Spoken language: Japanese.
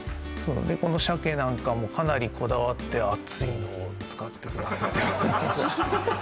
この鮭なんかもかなりこだわって厚いのを使ってくださってます